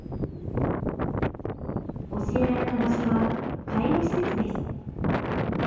教えられた場所は介護施設です。